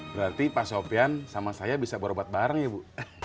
berarti pak sofian sama saya bisa berobat bareng ya bu